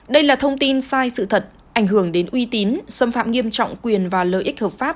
đây là thông tin sai sự thật ảnh hưởng đến uy tín xâm phạm nghiêm trọng quyền và lợi ích hợp pháp